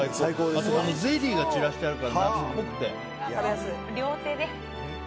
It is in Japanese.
あとこのゼリーが散らしてあるから夏っぽくて。